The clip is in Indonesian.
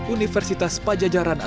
universitas pajajaran alkitab